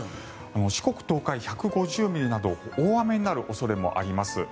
四国、東海１５０ミリなど大雨になる恐れもあります。